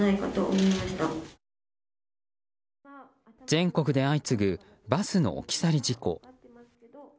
全国で相次ぐバスの置き去り事故。